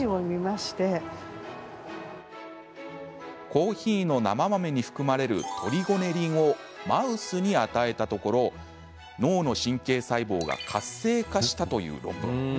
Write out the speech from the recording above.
コーヒーの生豆に含まれるトリゴネリンをマウスに与えたところ脳の神経細胞が活性化したという論文。